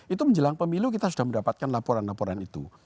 itu menjelang pemilu kita sudah mendapatkan laporan laporan itu